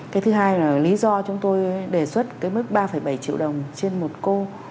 cái thứ hai là lý do chúng tôi đề xuất cái mức ba bảy triệu đồng trên một cô